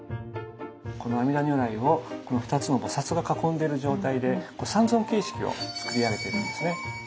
この阿弥陀如来をこの２つの菩が囲んでる状態で三尊形式を作り上げているんですね。